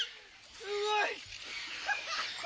すごい。